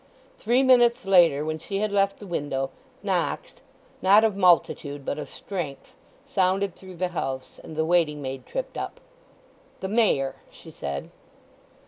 Three minutes later, when she had left the window, knocks, not of multitude but of strength, sounded through the house, and the waiting maid tripped up. "The Mayor," she said.